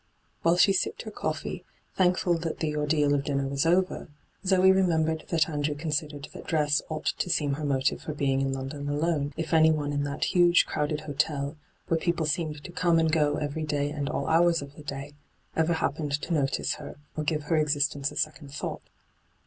* While she sipped her coffee, thankful that the ordeal of dinner was over, Zoe remembered that Andrew considered that dress ought to seem her motive for being in London alone, if anyone in that huge crowded hotel, where people seemed to come and go every day and all hours of the day, ever happened to notice her or give her existence a second thought.